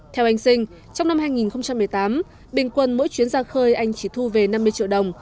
theo anh sinh trong năm hai nghìn một mươi tám bình quân mỗi chuyến ra khơi anh chỉ thu về năm mươi triệu đồng